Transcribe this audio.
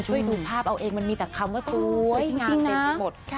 ช่วยดูภาพเอาเองมันมีแต่คำว่าสวยจริงนะงานเต็มไปหมดครับ